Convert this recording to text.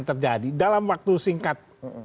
terjadi dalam waktu singkat